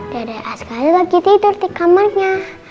dede askaranya lagi tidur di kamarnya